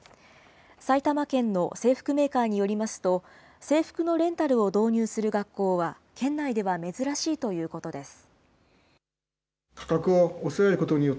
埼玉県の制服メーカーによりますと、制服のレンタルを導入する学校は、県内では珍しいということです。